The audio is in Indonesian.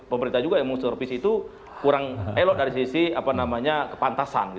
pemerintah juga yang mau survice itu kurang elok dari sisi kepantasan